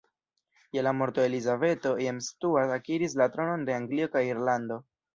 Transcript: Je la morto de Elizabeto, James Stuart akiris la tronon de Anglio kaj Irlando.